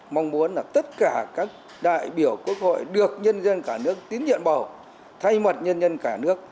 mong muốn là tất cả các đại biểu quốc hội được nhân dân cả nước tín nhiệm bầu thay mặt nhân dân cả nước